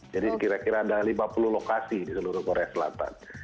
jadi kira kira ada lima puluh lokasi di seluruh korea selatan